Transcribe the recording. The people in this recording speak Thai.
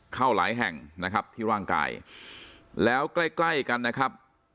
เข้าหลายแห่งนะครับที่ร่างกายแล้วใกล้ใกล้กันนะครับ